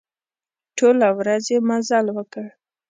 ټوله ورځ يې مزل وکړ.